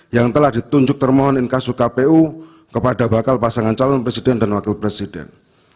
yang telah ditunjuk termohon inkasu kpu kepada bakal pasangan calon presiden dan wakil presiden